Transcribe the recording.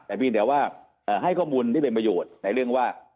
แต่เพียงแต่ว่าให้ข้อมูลที่เป็นประโยชน์ในเรื่องว่า